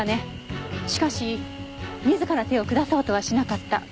しかし自ら手を下そうとはしなかった。